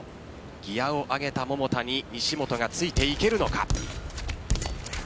ギアを上げた桃田に西本がついていけるのか。